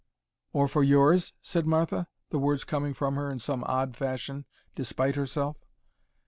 "Or for yours?" said Martha, the words coming from her in some odd fashion, despite herself.